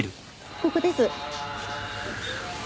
ここです。